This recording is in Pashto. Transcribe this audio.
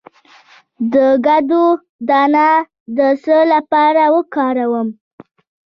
د کدو دانه د څه لپاره وکاروم؟